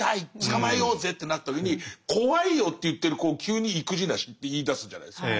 「捕まえようぜ」ってなった時に「怖いよ」って言ってる子を急に「意気地なし」って言いだすじゃないですか。